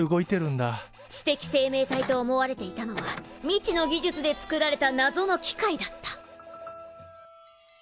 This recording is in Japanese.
知的生命体と思われていたのは未知の技術で作られたなぞの機械だった。